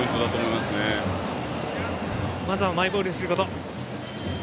まずはマイボールにすること。